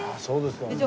そうですか。